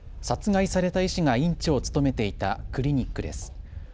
殺害された医師が院長を務めていたクリニックです。